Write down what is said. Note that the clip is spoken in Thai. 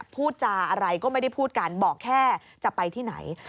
พูดจาอะไรก็ไม่ได้พูดกันบอกแค่จะไปที่ไหน